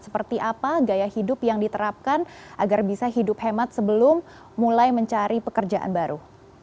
seperti apa gaya hidup yang diterapkan agar bisa hidup hemat sebelum mulai mencari pekerjaan baru